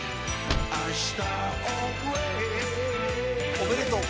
おめでとう。